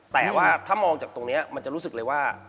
แต่ว่าถ้ามองจากตรงนี้มันจะรู้สึกเลยว่า